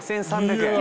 １，３００円。